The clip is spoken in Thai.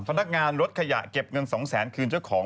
พนักงานรถขยะเก็บเงิน๒แสนคืนเจ้าของ